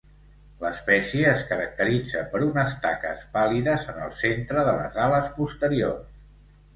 L'espècie es caracteritza per unes taques pàl·lides en el centre de les ales posteriors.